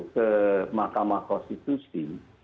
ke mahkamah konstitusi